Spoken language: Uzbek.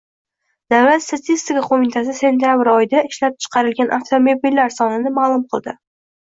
Davlat statistika qo‘mitasi sentabr oyida ishlab chiqarilgan avtomobillar sonini ma’lum qildi